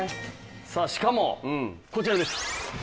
さあしかもこちらです。